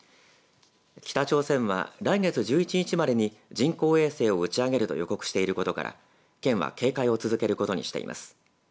北朝鮮は来月１１日までに人工衛星を打ち上げると予告していることから県は警戒を続けることにしています。